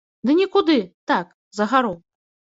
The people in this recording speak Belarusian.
Ды нікуды, так, за гару.